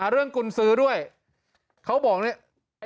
เรื่องกุลซื้อด้วยเขาบอกเนี่ย